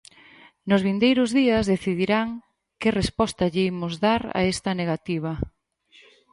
Nos vindeiros días decidirán "que resposta lle imos dar a esta negativa".